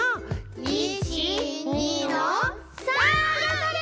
１２の３！がんばれ！